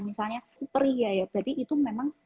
misalnya pria ya berarti itu memang